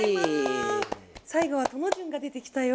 最後は殿潤が出てきたよ。